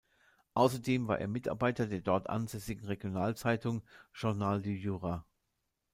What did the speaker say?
Ausserdem war er Mitarbeiter der dort ansässigen Regionalzeitung "Journal du Jura".